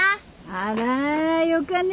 あらよかね。